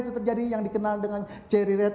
itu terjadi yang dikenal dengan cherry red